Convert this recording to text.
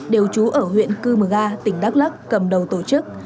đều trú ở huyện cư mờ ga tỉnh đắk lắc cầm đầu tổ chức